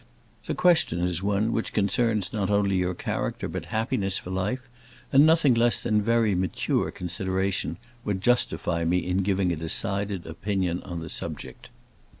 The question is one which concerns, not only your character, but happiness for life, and nothing less than very mature consideration would justify me in giving a decided opinion on the subject.